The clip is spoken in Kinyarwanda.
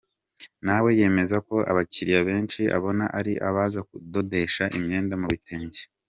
Nawe yemeza ko abakiriya benshi abona ari abaza kudodesha imyenda mu bitenge.